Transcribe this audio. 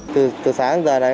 từ sáng giờ này